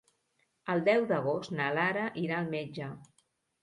El deu d'agost na Lara irà al metge.